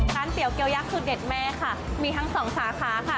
เตี๋ยเกี๊ยักษ์สุดเด็ดแม่ค่ะมีทั้งสองสาขาค่ะ